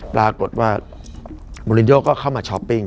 ปรากฏว่า